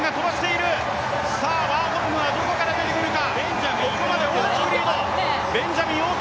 ワーホルムはどこから出てくるか。